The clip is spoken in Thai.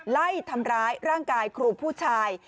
ไล่ทำร้ายร่างกายครูผู้ชาย